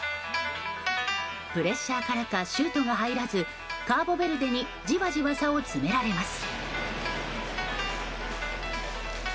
プレッシャーからかシュートが入らずカーボベルデにじわじわ差を詰められます。